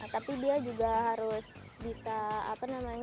tapi dia juga menantang